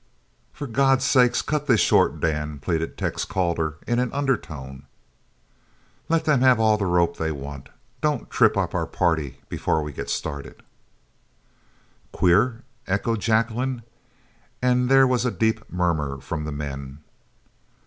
"For God's sake cut this short, Dan," pleaded Tex Calder in an undertone. "Let them have all the rope they want. Don't trip up our party before we get started." "Queer?" echoed Jacqueline, and there was a deep murmur from the men.